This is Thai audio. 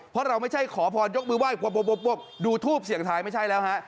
เพราะเราไม่ใช่ขอพรยกมือไหว้ดูทูปเสียงทายไม่ใช่แล้วฮะ